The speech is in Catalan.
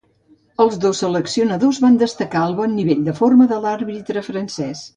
Els dos seleccionadors van destacar el bon nivell de forma de l'àrbitre francès.